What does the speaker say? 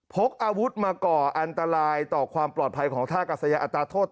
พกอาวุธมาก่ออันตรายต่อความปลอดภัยของท่ากัศยาอัตราโทษ